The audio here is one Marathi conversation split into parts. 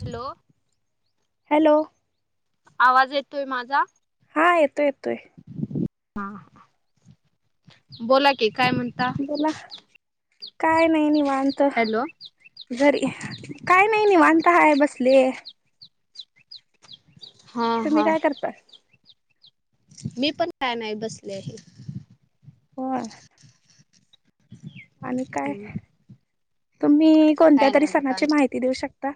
हॅलो, हॅलो आवाज येतोय माझा. हा येतोय येतोय. हा बोला कि, काय म्हणता. बोला काय नाही निवांत. हॅलो जरी, काय नाही निवांत हाय बसले. हा तुम्ही हा काय करताय? मी पण काय नाही बसलोय. होआ.. आणि काय हम्म, तुम्ही, कोणत्या काय तरी नाही बघा सणाची माहिती देऊ शकता?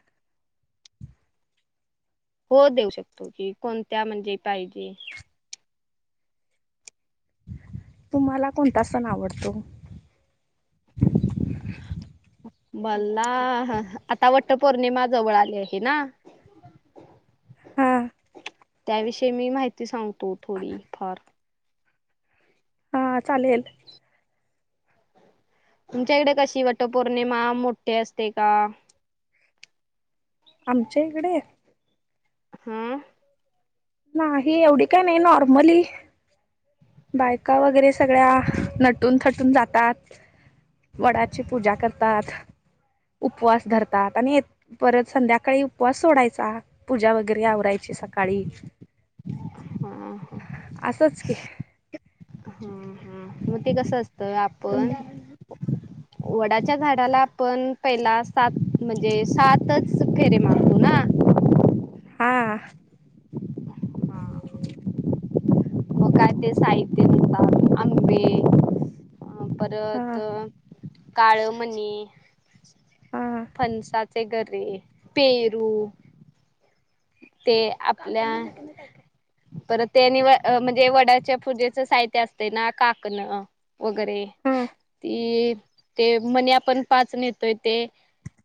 हो देऊ शकतो की, कोणत्या म्हणजे पाहिजे. तुम्हाला कोणता सण आवडतो? मला आता वट पौर्णिमा जवळ आली आहे ना? हा. त्याविषयी मी माहिती सांगतो थोडी फार हा चालेल. तुमच्याकडे कशी वाट पौर्णिमा मोठी असते का? आमच्या इकडे हम्म. नाही एवढी काय नाही नॉर्मली. बायका वगैरे सगळ्या नटून-थटून जातात. वडाची पूजा करतात उपवास धरतात आणि ये परत संध्याकाळी उपवास सोडायचा. पूजा वगैरे आवरायची सकाळी ह हा [unintelligible] असंच की. हा हा मग ते कसं असतं तुम आपण वडाच्या झाडाला पण पहिला सात म्हणजे सातच फेरे ह मारतो [inaudible] ना हा. हा मग काय ते साहित्य म्हणा आंबे, हा परत काळमणी हा ह फणसाचे गरे, पेरू ते आपल्या परत त्या नि म्हणजे वडाच्या पूजेचं साहित्य असते ना काकणं, वगैरे ते ते मणी आपण पाच नेतोय ते.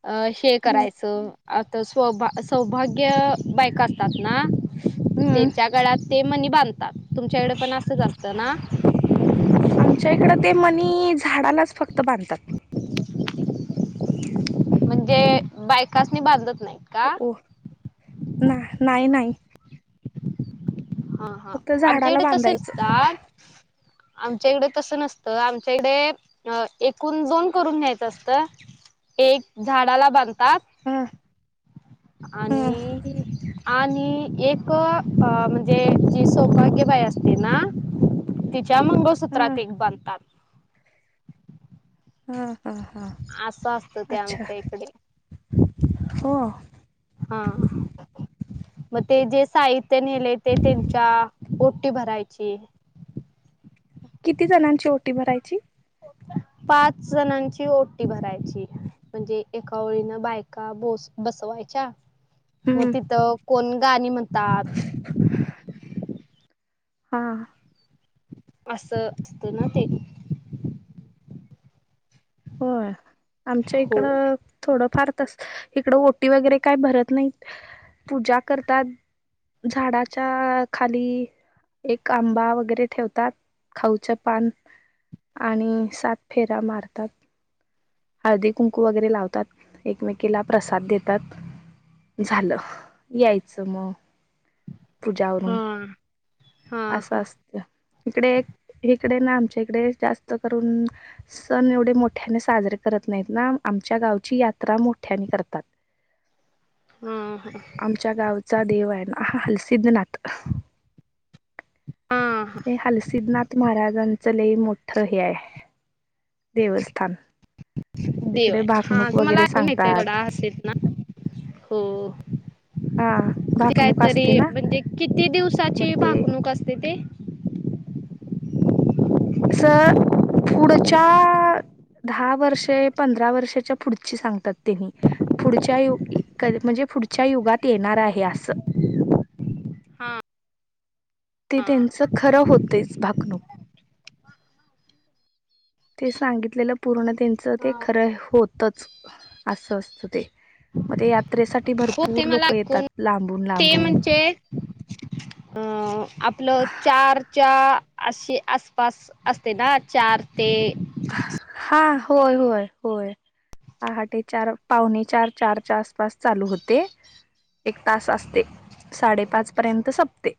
अं हे हम्म करायचं, आता स्वभा सौभाग्य बायक असतात ना? हम्म तेच्या गळ्यात ते मनी बांधतात, तुमच्याकडे पण असं असतं ना? आमच्या इकडं ते मनी झाडालाच फक्त बांधतात. म्हणजे, बायकासनी बांधत नाही. ओह, ना नाही, नाही, हां, हां फक्त आमच्या झाडाला इकडे तसे बांधायचं असतात आमच्या इडे तसं नसतं, आमच्या इकडे अं, एकूण दोन करून घ्यायचं असत, एक झाडाला बांधतात. ह ह आणि आणि एक अं, अं म्हणजे जी सौभाग्य बाई असते ना? तिच्या ह मंगळसूत्रात एक बांधतात. हम्म, आसं असतं ते आमच्या इकडे. हो हां, म ते जे साहित्य नेले ते त्यांच्या ओटी भरायची. किती जणांची ओटी भरायची? पाच जणांची ओटी भरायची. म्हणजे एका ओळीनं बायका बोस, बसवायच्या म हम्म तिथं कोण गाणी म्हणतात हा, असं, ते ना ते. होय, आमच्या होय इकडं थोडं फार, तसं इकडं ओटी वगैरे काही भरत नाही पूजा करतात. झाडाच्या आ खाली एक आंबा वगैरे ठेवतात, खाऊचं पान आणि सात फेरा मारतात. हळदी-कुंकू वगैरे लावतात, एकमेकीला प्रसाद देतात. झालं, यायचं म पुजा आवरून. हा हा असं हा असतं, इकडे.. इकडे ना आमच्या इकडे जास्त करून सण एवढे मोठ्याने साजरे करत नाहीत ना, आमच्या गावची यात्रा मोठ्याने करतात. [inaudible] हं, हा आमच्या गावचा डेव आहे ना हं हलसिद्धनाथ. हा, ते हलसिद्धनाथ महाराजांचं लई मोठं हे आहे, देवस्थान. देव इकडे आहे, हां भाकणूक तुम्हाला वगैरे ऐकून येतं थोडा सांगतात हसलेत ना? हो, हा ते भाकणूक काहीतरी, असते ना म्हणजे किती मग दिवसाची ते भाकणूक असते ते? स, पुढच्या दहा वर्षे, पंधरा वर्षाच्या पुढची सांगतात त्यांनी पुढच्या यु क म्हणजे पुढच्या युगात येणार आहे असं. हा ते त्यांचं खरं होतेच. भावनिक, ते सांगितलेलं पूर्ण त्यांन च ते हा खरं होतंच. असं असतं ते. म ते यात्रेसाठी हो ते भरपूर मला लोक येतात, लांबून -लांबून. अं आपलं चारच्या च्या असे आसपास असते ना चार ते हा होय होय होय. पहाटे चार पावणे चार चार च्या आसपास चालू होते. एक तास असते साडेपाचपर्यंत संपते.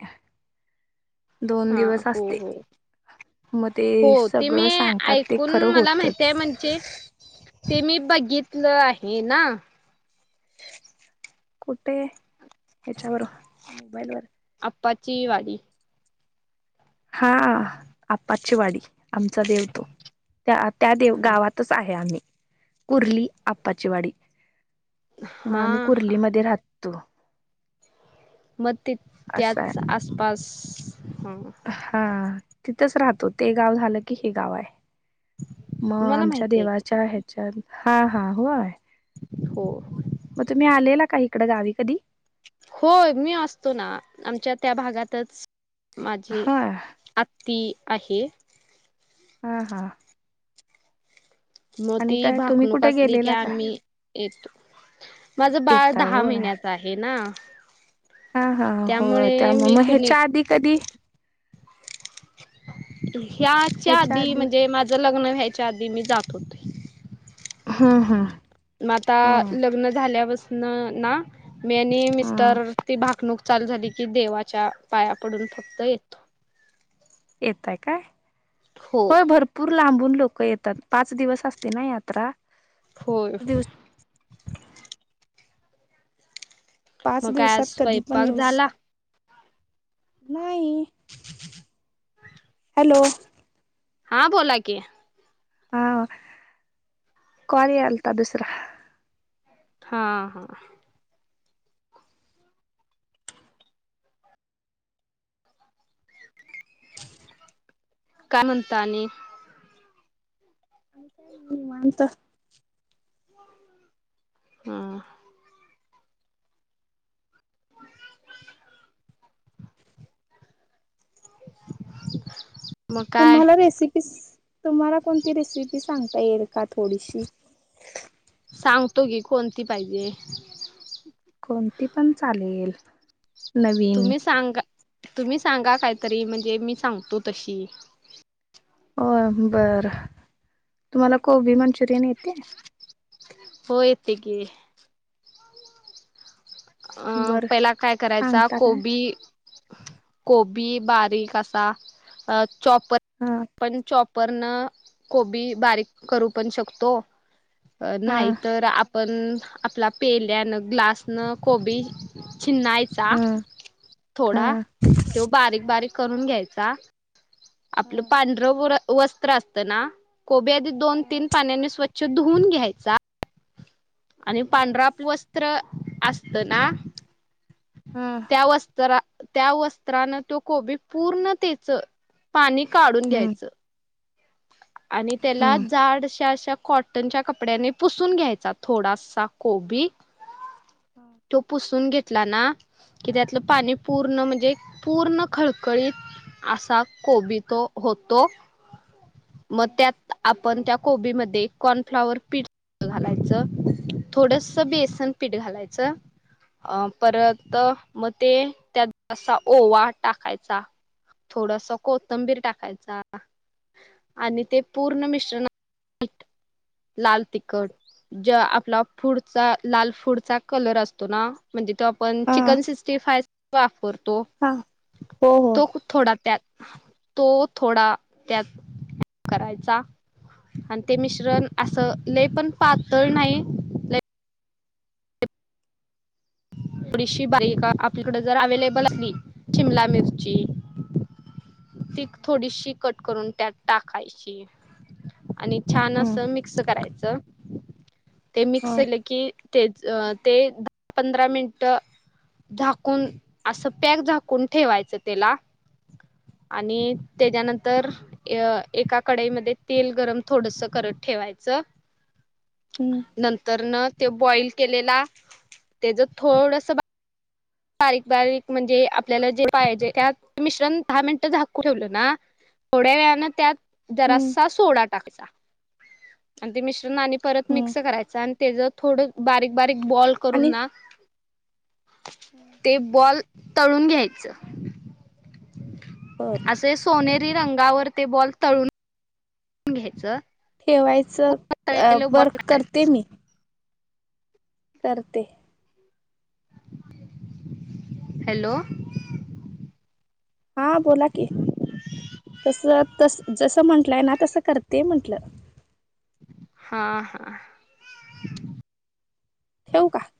हा हो असते हो. मग हो ते सगळं मी सांगतात ते ऐकून खरं मला माहती आहे होतच म्हणजे ते मी बघितलं आहे ना. कुठे हेच्यावर मोबईलवर आप्ची वाडी हा आप्पाची वाडी आमचा देव तो त्या त्या देव हा गावात आहे आम्ही कुर्ली आप्पाची वाडी मग हा आम्ही हा कुर्लीमध्ये राहतो. मग त असं त्याच आहे आसपास ह हा तिथंच राहतो ते गाव झालं की हे गाव आहे. मग मला आमच्या माहिती आहे देवाच्या कि ह्याच्यात हा हा होय. हो. मग तुम्ही आलेला का इकडें गावी कधी? होय मी असतो ना आमच्या त्या भागातच माझी हा आत्ती आहे. हा हा. मग आणि ती काय तुम्ही भाकणूक कुठे असली की गेलेला का आम्ही येतो. माझं बाळ येताय दहा होय महिन्याच आहे ना. हा हा हो त्यामुळे त्यामु मी मग कुणी ह्याच्या आधी कधी ह्याच्या आधी म्हणजे माझ लग्न व्यायच्या आधी मी जात होत. हां हां. म आता लग्न झाल्यापसन ना मी आणि ह मिस्टर ती भाकणूक चालू झाली की देवाच्या पाया पडून फक्त येतो. येतय काय हो. होय भरपूर पूर लांबून लोक येतात पाच दिवस असते ना यात्रा. होय होय. दिवस पाच मग काय आज दिवसात कधी पण स्वयंपाक येऊ झाला? शक नाही. हॅलो हा बोला की? हा कॉल आलता दुसरा. हां हां. काय म्हणता आणि अता निवअंत हम. [unintelligible] [unintelligible] काय तुम्हाला रेसिपी तुम्हाला कोणती रेसिपी सांगता येईल का थोडीशी? सांगतो गी कोणती पाहिजे. कोणती पण चालेल. नवीन तुम्ही सांगा तुम्ही सांगा कायतरी म्हणजे मी सांगतो तशी होय बर तुम्हाला कोबी मंचुरियन येते हो येते की अं बरं पहिला काय करायचा सांगता काय कोबी कोबी बारीक असा अ चॉपर हा पण चॉपरनं कोबी बारीक करू पण शकतो अ हा नाहीतर आपण आपला पेल्यानं ग्लासनं कोबी छिन्नायचा हा हा थोडा त्यो बारीक हा बारीक करून घ्यायचा आपलं हा पांढरं गोरं वस्त्र असतं ना कोबी आधी दोन तीन पाण्यानी स्वच् छ धुऊून घ्यायचा आणि हा पांढरा वस्त्र असतं ना हा त्या वस्त्रा त्या वस्त्रानं तो कोबी पूर्ण तेचं पाणी काढून हम्म घ्यायचं आणि त्याला हम्म जाडश्या अशा कॉ टनच्या कपड्याने पुसून घ्यायचा थोडासा कोबी त्यो पुसून घेत तला ना कि त्यातलं पाणी पूर्ण म्हणजे पूर्ण खळखळीत असा कोबि तो होतो मग त्यात आपण त्या कोबीमध्ये कॉर्नफ्लॉवर पीठ घालायचं थोडसं बेसन पीठ घालायचं अ परत म ते त्यात असा ओवा टाकायचा थोडंसा कोथंबीर टाकायचा आणि ते पूर्ण मिश्रण नीट लाल तिकट ज्या आपला फुडचा लाल फूडचा कलर अस तो ना म्हणजे तो आपण हा चिकन सिक्स्टी फाय वाफरतो हा हो हो तो थोडा त्यात तो थोडा त्यात करायचा अन् ते हम्म मिश्रण असं लय पण पातळ नाही लय थोडीशी बारीक आपल्याकड जर अवेलेबल आली शिमला मिरची ती थोडीशी कट करून त्यात टाकायची आणि छान असं मिक्स करायचं ते मिक्स हो केलं की ते ते दहा पंधरा मिनिटं झाकून असं पॅक झाकून ठेवायचं तेला आणि तेजानंतर अ एका कडाईमध्ये तेल गरम थोडसं करत ठेवायचं हम्म नंतरन त्यो बॉईल केलेला तेजं थोडसं बा बारीक बारीक म्हणजे आपल्याला जे पाहिजे त्यात मिश्रण दहा मिनटं झाकून ठेवलं ना थोड्या वेळानं त्यात हम्म जरास्सा सोडा टाकाचा आणि ते मिश्रण आणि परत हम्म मिक्स करायचं आणि तेजं थोडं बारीक बारीक बॉल करून आणि ना ते बॉल तळून घ्यायचं बर असे सोनेरी रंगावर ते बॉल तळून घ सर केवायच अ वर्क करते मी करते हॅलो हा बोला की तस तस जस म्हंटलंय ना तसं करते म्हटलं हा हा ठेवू का [inaudible]